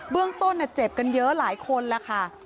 เรื่องต้นเจ็บกันเยอะหลายคนแล้วค่ะ